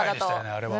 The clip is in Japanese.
あれは。